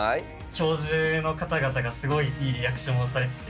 教授の方々がすごいいいリアクションをされてて。